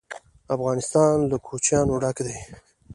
افغانستان له کوچیان ډک دی.